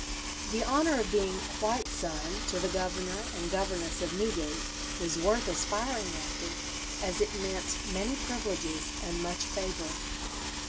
'" The honour of being "white son" to the governor and governess of Newgate was worth aspiring after, as it meant many privileges and much favour.